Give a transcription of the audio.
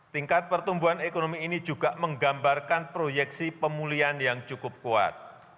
tingkat pertumbuhan ekonomi ini juga menggambarkan proyeksi pemulihan yang cukup kuat